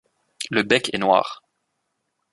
Le bec est noir.